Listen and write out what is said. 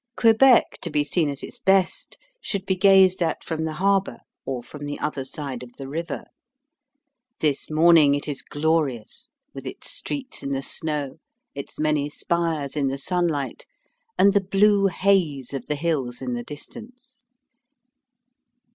Quebec, to be seen at its best, should be gazed at from the harbour, or from the other side of the river. This morning it is glorious, with its streets in the snow, its many spires in the sunlight, and the blue haze of the hills in the distance.